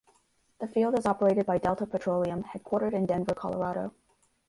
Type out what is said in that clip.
The field is operated by Delta Petroleum headquartered in Denver, Colorado.